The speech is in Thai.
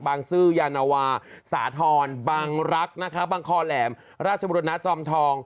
ซื้อยานวาสาธรณ์บางรักนะคะบางคอแหลมราชบุรณะจอมทอง